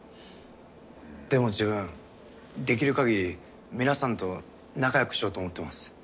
でも自分できるかぎり皆さんと仲よくしようと思ってます。